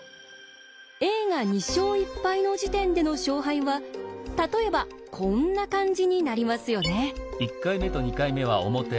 Ａが２勝１敗の時点での勝敗は例えばこんな感じになりますよね。